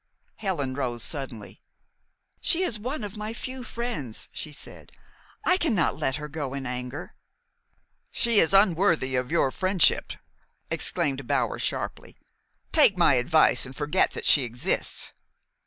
Helen rose suddenly. "She is one of my few friends," she said. "I cannot let her go in anger." "She is unworthy of your friendship," exclaimed Bower sharply. "Take my advice and forget that she exists."